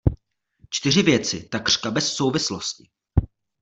Čtyři věci takřka bez souvislosti.